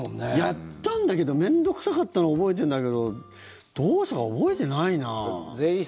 やったんだけど面倒臭かったのは覚えてんだけどどうしたか覚えてないな。